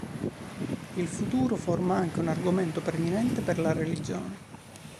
Il futuro forma anche un argomento preminente per la religione.